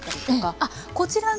あっこちらが？